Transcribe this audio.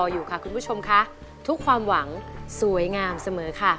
อยู่ค่ะคุณผู้ชมค่ะทุกความหวังสวยงามเสมอค่ะ